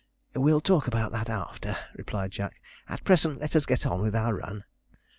'We'll talk about that after,' replied Jack, 'at present let us get on with our run.'